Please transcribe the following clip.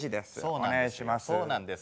お願いします。